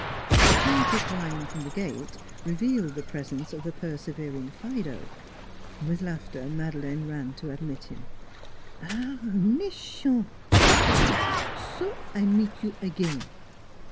A plaintive whine from the gate revealed the presence of the persevering Fido. With laughter Madeleine ran to admit him. " Ah, mechant," she scolded, " so I meet you again!